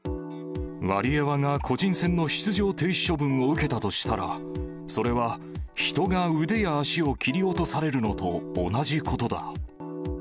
ワリエワが個人戦の出場停止処分を受けたとしたら、それは人が腕や足を切り落とされるのと同じことだ。